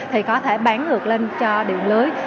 thì có thể bán ngược lên cho điện lưới